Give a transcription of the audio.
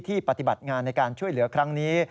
ปฏิบัติงานในการช่วยเหลือครั้งนี้